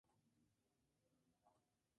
Nellie se casó con un tal Alexander Fraser.